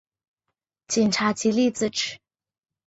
警察极力自制